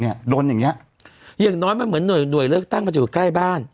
โดนอย่างเงี้ยอย่างน้อยมันเหมือนหน่วยหน่วยเลือกตั้งมันจะอยู่ใกล้บ้าน